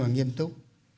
và nghiêm túc